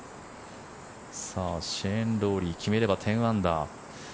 シェーン・ロウリー決めれば１０アンダー。